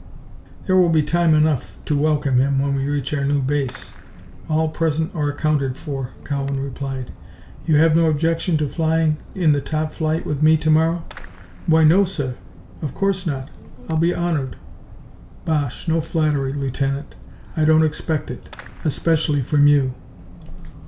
"There will be time enough to welcome him when we reach our new base all present or accounted for," Cowan replied. "You have no objection to flying in the top flight with me to morrow?" "Why, no sir. Of course not. I'll be honored." "Bosh! No flattery, Lieutenant. I don't expect it especially from you."